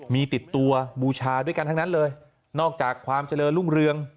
มีติดตัวบูชาด้วยกันทั้งนั้นเลยนอกจากความเจริญรุ่งเรือง